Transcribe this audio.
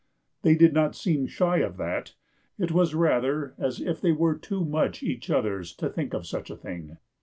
They did not seem shy of that; it was rather as if they were too much each other's to think of such a thing.